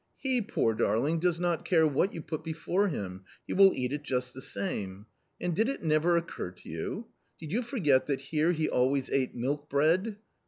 He, poor darling, does not care what you put before him, he will eat it just the same. And did it never occur to you ? Did you forget that here he always ate milk bread